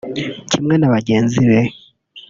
Kimwe na bagenzi be